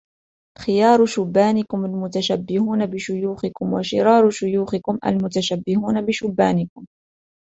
خِيَارُ شُبَّانِكُمْ الْمُتَشَبِّهُونَ بِشُيُوخِكُمْ وَشِرَارُ شُيُوخِكُمْ الْمُتَشَبِّهُونَ بِشُبَّانِكُمْ